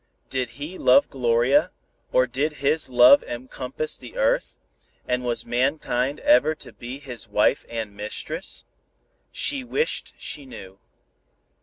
Did he love Gloria, or did his love encompass the earth, and was mankind ever to be his wife and mistress? She wished she knew.